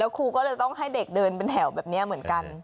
ครูก็เลยต้องให้เด็กเดินเป็นแถวแบบนี้เหมือนกัน